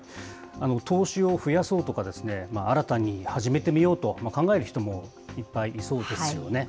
投資を増やそうとか、新たに始めてみようと考える人もいっぱいいそうですよね。